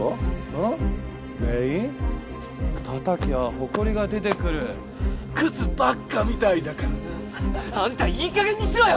全員叩きゃあほこりが出てくるクズばっかみたいだからなあんたいいかげんにしろよ！